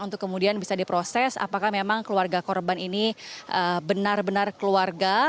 untuk kemudian bisa diproses apakah memang keluarga korban ini benar benar keluarga